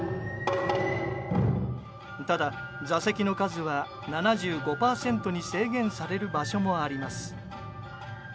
ただ座席の数は７５％に制限される場所もあります。